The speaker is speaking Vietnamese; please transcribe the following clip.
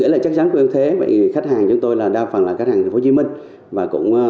chắc chắn của doanh nghiệp thế khách hàng chúng tôi đa phần là khách hàng thành phố hồ chí minh